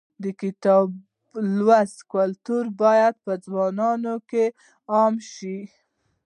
د کتاب لوستلو کلتور باید په ځوانانو کې عام شي.